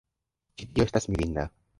Ĉi tio estas mirinda